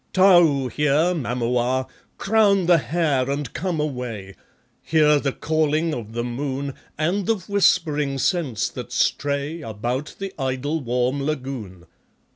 ... 'Tau here', Mamua, Crown the hair, and come away! Hear the calling of the moon, And the whispering scents that stray About the idle warm lagoon.